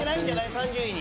３０位に。